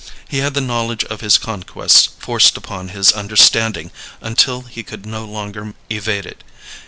He had the knowledge of his conquests forced upon his understanding until he could no longer evade it.